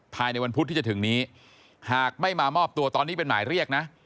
ภายในวันพุธที่จะถึงนี้หากไม่มามอบตัวตอนนี้เป็นหมายเรียกนะ